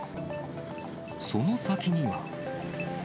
その先には。